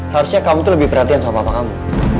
harusnya kamu lebih perhatian sama pak amu